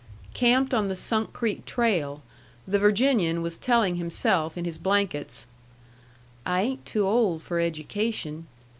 Camped on the Sunk Creek trail, the Virginian was telling himself in his blankets: "I ain't too old for education.